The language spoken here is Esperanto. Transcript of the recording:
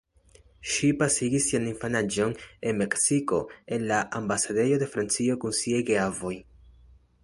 Ŝi pasigis sian infanaĝon en Meksiko en la ambasadejo de Francio kun siaj geavoj.